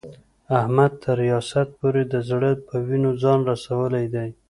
احمد تر ریاست پورې د زړه په وینو ځان رسولی دی.